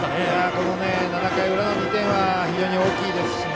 この７回裏の２点は非常に大きいですしね。